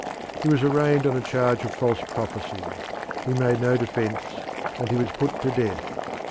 He was arraigned on a charge of false prophecy; he made no defence, and he was put to death.